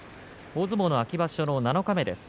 大相撲の秋場所の七日目です。